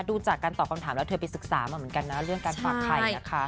ดูจากการตอบคำถามแล้วเธอไปศึกษามาเหมือนกันนะเรื่องการฝากไข่นะคะ